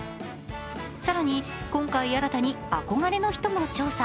更に、今回新たに憧れの人も調査。